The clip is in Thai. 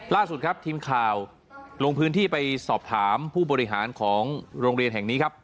ล่าสุดครับทีมข่าวลงพื้นที่ไปสอบถามผู้บริหารของโรงเรียนแห่งนี้ครับ